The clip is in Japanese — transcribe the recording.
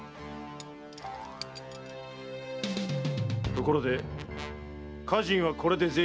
ところで家人はこれで全員だな？